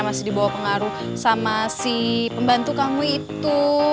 masih dibawa pengaruh sama si pembantu kamu itu